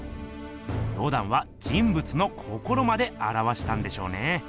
ロダンは人ぶつの心まであらわしたんでしょうね。